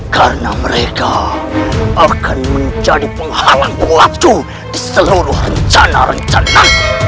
karena mereka akan menjadi penghalang waktu di seluruh rencana rencana